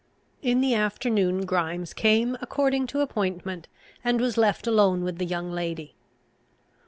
In the afternoon Grimes came according to appointment, and was left alone with the young lady.